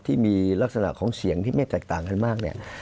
ที่มีลักษณะของเสียงที่ไม่แตกต่างกันมากเนี่ย